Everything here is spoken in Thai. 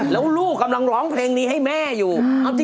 แล้วลูกกำลังร้องเพลงนี้ให้แม่อยู่